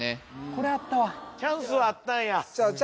これあったわチャンスはあったんだよね